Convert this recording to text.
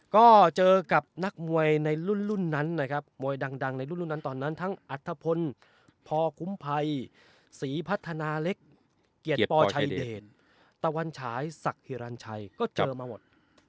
ก็เจอกับนักมวยในรุ่นนั้นนะครับมวยดังในรุ่นนั้นตอนนั้นทั้งอัธพลพอคุ้มภัยศรีพัฒนาเล็กเกียรติปอชัยเดชตะวันฉายศักดิรันชัยก็เจอมาหมด